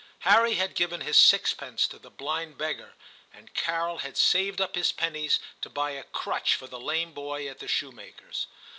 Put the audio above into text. Harry had given his sixpence to the blind beggar, and Carol had saved up his pennies to buy a crutch for the lame boy at the shoe maker's.